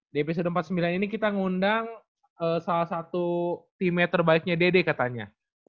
di episode empat puluh sembilan ini kita ngundang salah satu timnya terbaiknya dede katanya